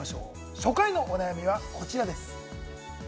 初回のお悩みはこちらです。